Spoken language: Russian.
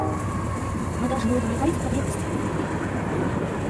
Мы должны удовлетворить их потребности.